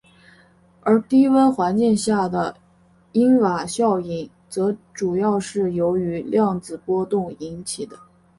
而低温环境下的因瓦效应则主要是由于量子波动引起的。